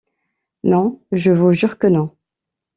Non, je vous jure que non...